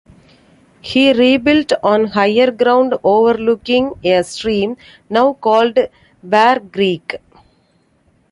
He rebuilt on higher ground overlooking a stream, now called Ware Creek.